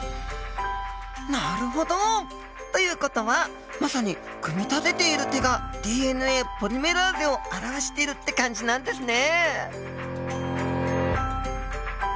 なるほど！という事はまさに組み立てている手がＤＮＡポリメラーゼを表してるって感じなんですね！